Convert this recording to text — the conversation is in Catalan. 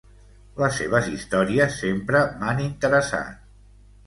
Les seves històries sempre m'han interessat.